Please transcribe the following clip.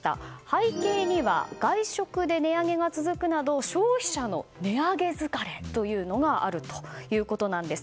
背景には外食で値上げが続くなど消費者の値上げ疲れというのがあるということなんです。